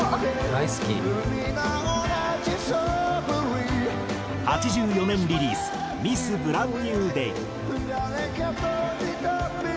「大好き」８４年リリース『ミス・ブランニュー・デイ』。